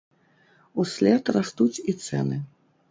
Услед растуць і цэны.